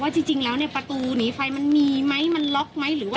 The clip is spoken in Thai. ว่าจริงแล้วประตูหนีไฟมันมีไหมมันล็อกไหม